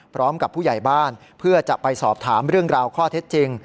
พร้อมกับผู้ใหญ่บ้านเพื่อจะไปสอบถามเรื่องราวข้อเท็จจริง